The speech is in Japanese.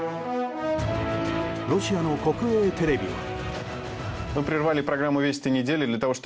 ロシアの国営テレビは。